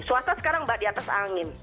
swasta sekarang mbak di atas angin